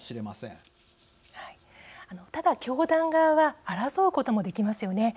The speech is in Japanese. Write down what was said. ただ教団側は争うこともできますよね。